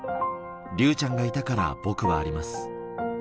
竜ちゃんがいたから僕はあります。